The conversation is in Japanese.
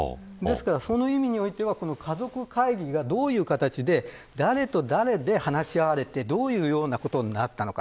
その意味においてはこの家族会議がどういう形で誰と誰で話し合われてどういうことになったのか。